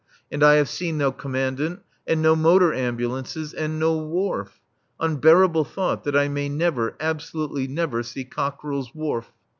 And I have seen no Commandant, and no motor ambulances and no wharf. (Unbearable thought, that I may never, absolutely never, see Cockerill's Wharf!)